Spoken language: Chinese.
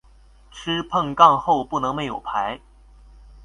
吃碰杠后不能没有牌。